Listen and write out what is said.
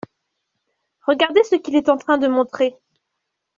Regardez ce qu’il est en train de montrer.